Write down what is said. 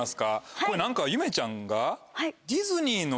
これ何かゆめちゃんが。